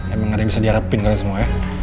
emang ada yang bisa diharapin kalian semua